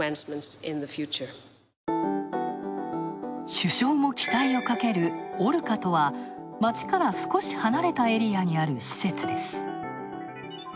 首相も期待をかけるオルカとは町から少し離れたエリアにある施設です。